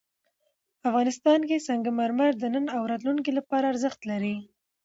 افغانستان کې سنگ مرمر د نن او راتلونکي لپاره ارزښت لري.